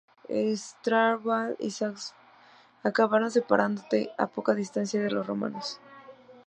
Asdrúbal y Sifax acamparon separadamente a poca distancia de los romanos.